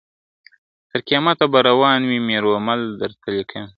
تر قیامته به روان وي « میرو» مل درته لیکمه ..